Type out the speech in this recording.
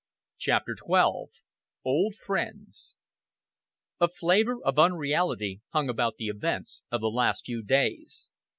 CHAPTER XII OLD FRIENDS A flavor of unreality hung about the events of the last few days.